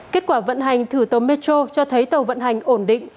kết quả vận hành thử tàu metro cho thấy tàu vận hành ổn định